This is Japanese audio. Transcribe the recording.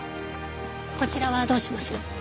こちらはどうします？